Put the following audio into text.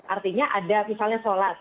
artinya ada misalnya sholat